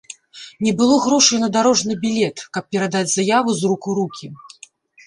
Не было грошай на дарожны білет, каб перадаць заяву з рук у рукі.